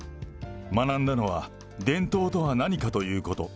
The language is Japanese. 学んだのは伝統とは何かということ。